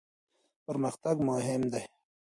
پرمختګ مهم دی.